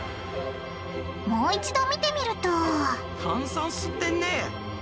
もう一度見てみると炭酸吸ってんね。